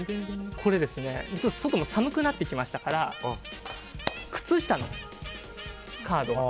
外も寒くなってきましたから靴下のカードを。